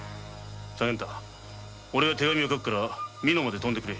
左源太手紙を書くから美濃まで飛んでくれ！